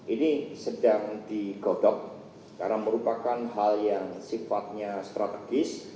ini sedang digodok karena merupakan hal yang sifatnya strategis